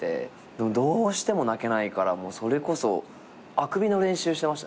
でもどうしても泣けないからそれこそあくびの練習してましたよ。